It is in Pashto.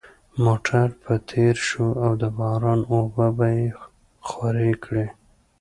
موټر به تېر شو او د باران اوبه به یې خورې کړې